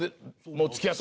付き合って。